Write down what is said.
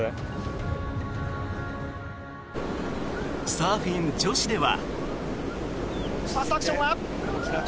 サーフィン女子では。